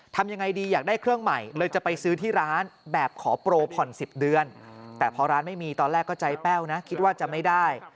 ทำยังไงดีอยากได้เครื่องใหม่เลยจะไปซื้อที่ร้านแบบขอโปรผ่อน๑๐เดือนแต่พอร้านไม่มีตอนแรกก็ใจแป้วนะคิดว่าจะไม่ได้